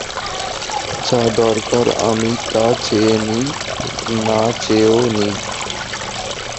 যা দরকার আমি তা চেয়ে নিই, না চেয়েও নিই।